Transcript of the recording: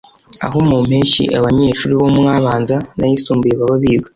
aho mu mpeshyi abanyeshuri bo mu abanza n’ayisumbuye baba biga